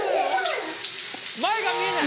まえがみえない？